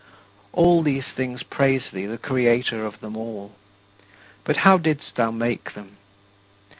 All these things praise thee, the Creator of them all. But how didst thou make them?